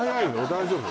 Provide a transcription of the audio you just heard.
大丈夫？